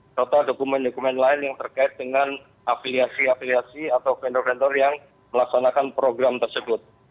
serta dokumen dokumen lain yang terkait dengan afiliasi afiliasi atau vendor vendor yang melaksanakan program tersebut